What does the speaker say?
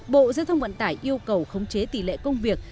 bộ giao thông vận tải yêu cầu khống chế tỷ lệ công việc